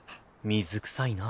水くさいな。